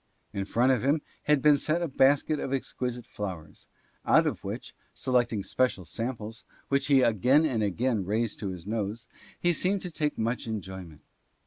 In front of him had been set a basket of exquisite flowers, out of which, selecting special samples, which he again and again raised to his nose, he seemed to take much enjoyment.